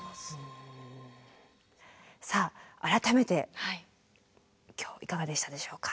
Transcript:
さあ改めて今日いかがでしたでしょうか？